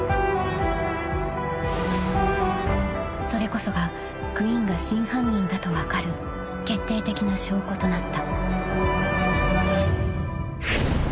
［それこそがクインが真犯人だと分かる決定的な証拠となった］